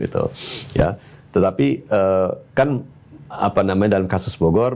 tetapi kan dalam kasus bogor